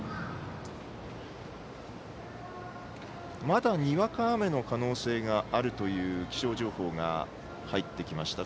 まだ、にわか雨の可能性があるという気象情報が入ってきました。